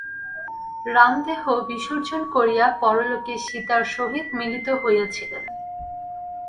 রাম দেহ বিসর্জন করিয়া পরলোকে সীতার সহিত মিলিত হইয়াছিলেন।